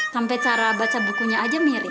sampai cara baca bukunya aja mirip